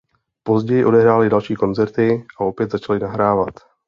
Později odehráli další koncerty a opět začali nahrávat.